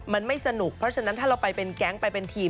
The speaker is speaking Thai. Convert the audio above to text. มันไม่สนุกเพราะฉะนั้นถ้าเราไปเป็นแก๊งไปเป็นทีม